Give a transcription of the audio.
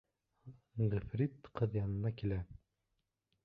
Ғифрит ҡыҙ янына килә: